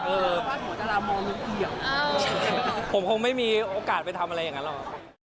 เออผมคงไม่มีโอกาสไปทำอะไรอย่างนั้นหรอก